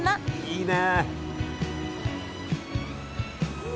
いいね。